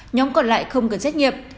nhóm còn lại không cần xét nghiệm